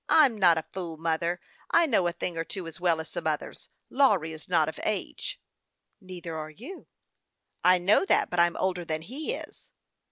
"I'm not a fool, mother ; I know a thing or two as well as some others. Lawry is not of age." " Neither are you." " I know that, but I'm older than he is."